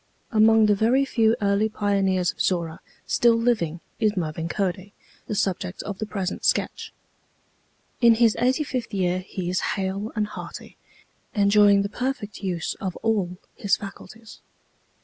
Among the very few early pioneers of Zorra still living is Mervin Cody, the subject of the present sketch. In his eighty fifth year he is hale and hearty, enjoying the perfect use of all his faculties.